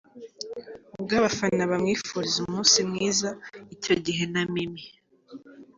ubw’abafana bamwifuriza umunsi mwiza, icyo gihe na Mimi